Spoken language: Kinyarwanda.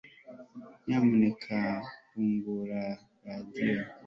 Nyamuneka fungura radio